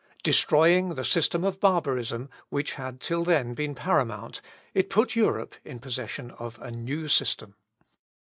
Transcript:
Destroying the system of barbarism, which had till then been paramount, it put Europe in possession of a new system.